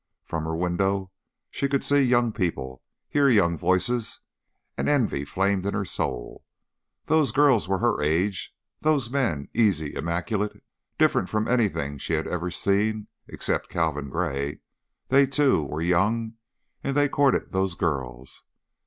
From her window she could see young people, hear young voices, and envy flamed in her soul. Those girls were her age; those men, easy, immaculate, different from anything she had ever seen except Calvin Gray they, too, were young and they courted those girls.